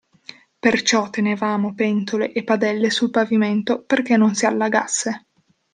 Perciò tenevamo pentole e padelle sul pavimento perché non si allagasse.